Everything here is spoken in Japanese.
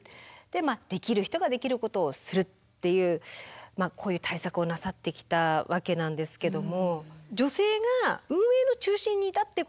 でまあできる人ができることをするっていうこういう対策をなさってきたわけなんですけども。